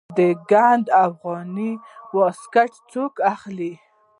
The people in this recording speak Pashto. د ګنډ افغاني واسکټونه څوک اخلي؟